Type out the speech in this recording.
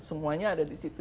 semuanya ada di situ